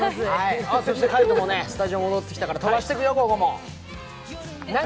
海音もスタジオ戻ってきたから、飛ばしてくよ！